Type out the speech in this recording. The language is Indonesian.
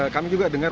kami juga dengar